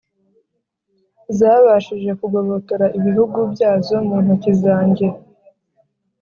zabashije kugobotora ibihugu byazo mu ntoki zanjye,